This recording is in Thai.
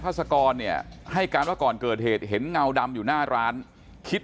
สกรเนี่ยให้การว่าก่อนเกิดเหตุเห็นเงาดำอยู่หน้าร้านคิด